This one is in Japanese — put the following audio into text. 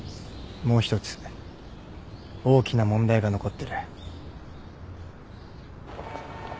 もう一つ大きな問題が残ってる。